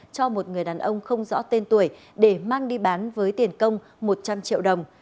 cho một người đàn ông không rõ tên tuổi để mang đi bán với tiền công một trăm linh triệu đồng